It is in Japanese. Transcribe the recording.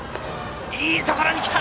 いいところにきた！